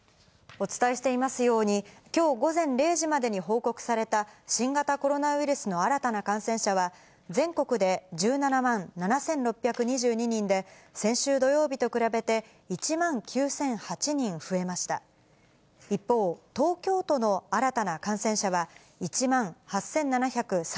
お伝えしていますように、きょう午前０時までに報告された新型コロナウイルスの新たな感染者は、全国で１７万７６２２人で、先週土曜日と比べて１万９００８人増えました。